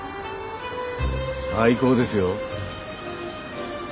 最高ですよ。